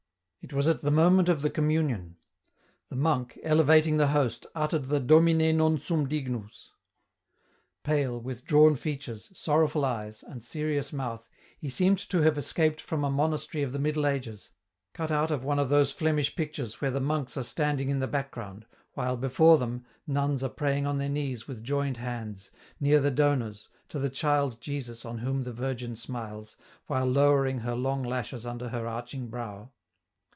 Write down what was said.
It was at the moment of the Communion. The monk, elevating the Host, uttered the " Domine non sum dignus." Pale, with drawn features, sorrowful eyes, and serious mouth, he seemed to have escaped from a monastery of the Middle Ages, cut out of one of those Flemish pictures where the monks are standing in the background, while, before them, nuns are praying on their knees with joined hands, near the donors, to the child Jesus on whom the Virgin smiles, while lowering her long lashes under her arching brow.